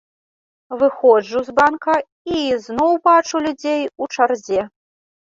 Выходжу з банка і ізноў бачу людзей у чарзе.